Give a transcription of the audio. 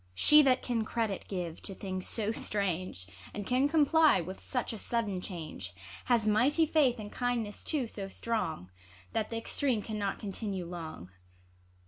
She that can credit give to things so strange, And can comply with such a sudden change, Has mighty faith, and kindness too so strong, That the extreme cannot continue long.